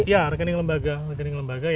ya rekening lembaga